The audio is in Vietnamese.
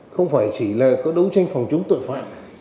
không phải chỉ là có đấu tranh phòng chống tội phạm